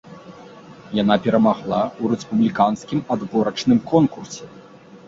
Яна перамагла ў рэспубліканскім адборачным конкурсе.